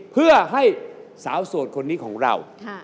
เพื่อให้สาวโสดคนนี้ของเรา